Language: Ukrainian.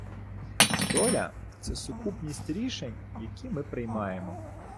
Доля — це сукупність рішень, які ми приймаємо.